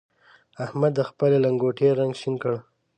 احمد د خپلې لنګوټې رنګ شين کړ.